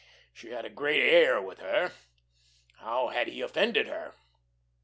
She had a great air with her; how had he offended her?